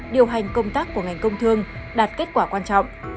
điều hành công tác của ngành công thương đạt kết quả quan trọng